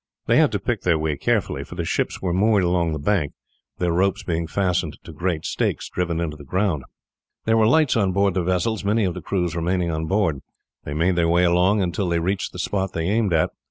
They had to pick their way carefully, for the ships were moored along the bank, their ropes being fastened to great stakes driven into the ground. There were lights on board the vessels, many of the crews remaining on board. They made their way along until they reached the spot they aimed at.